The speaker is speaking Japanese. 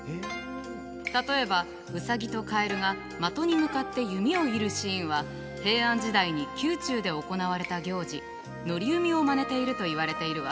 例えばウサギとカエルが的に向かって弓を射るシーンは平安時代に宮中で行われた行事賭弓をまねているといわれているわ。